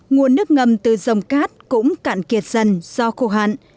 nguồn nước ngầm từ dòng cát cũng cạn kiệt dần do khô hạn